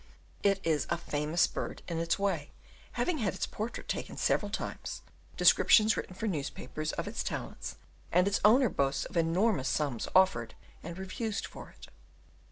It is a famous bird in its way, having had its portrait taken several times, descriptions written for newspapers of its talents, and its owner boasts of enormous sums offered and refused for it.